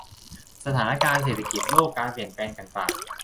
สถานการณ์เศรษฐกิจโลก การเปลี่ยนแปลงต่างต่าง